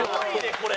これ。